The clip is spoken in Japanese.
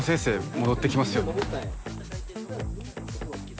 戻ってきますよね？